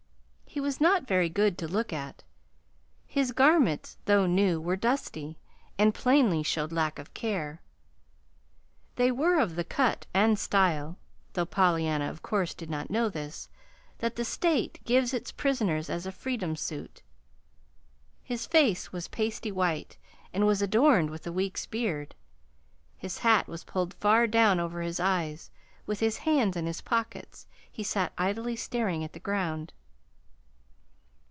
He was not very good to look at. His garments, though new, were dusty, and plainly showed lack of care. They were of the cut and style (though Pollyanna of course did not know this) that the State gives its prisoners as a freedom suit. His face was a pasty white, and was adorned with a week's beard. His hat was pulled far down over his eyes. With his hands in his pockets he sat idly staring at the ground.